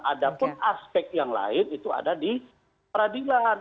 ada pun aspek yang lain itu ada di peradilan